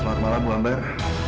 selamat malam bu ambar